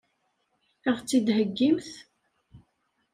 Ad ɣ-tt-id-heggimt?